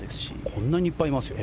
こんなにいっぱいいますよ。